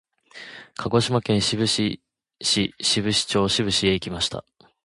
鹿児島県志布志市志布志町志布志へ行きました。